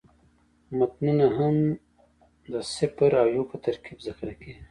متنونه هم د صفر او یو په ترکیب ذخیره کېږي.